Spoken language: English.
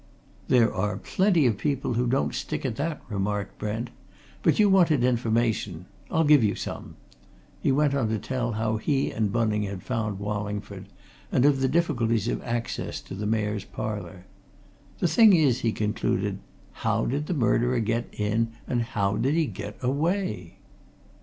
"There are plenty of people who don't stick at that," remarked Brent. "But you wanted information. I'll give you some." He went on to tell how he and Bunning had found Wallingford, and of the difficulties of access to the Mayor's Parlour. "The thing is," he concluded, "how did the murderer get in, and how did he get away?"